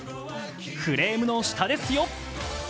フレームの下ですよ。